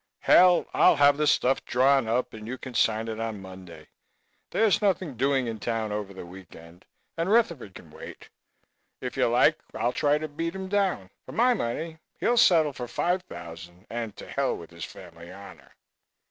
Hell, I'll have the stuff drawn up and you can sign it on Monday. There's nothing doing in town over the week end and Rutherford can wait. If you like, I'll try to beat him down. For my money, he'll settle for five thousand and to hell with his family honor."